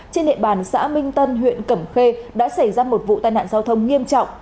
trên địa bàn xã minh tân huyện cẩm khê đã xảy ra một vụ tai nạn giao thông nghiêm trọng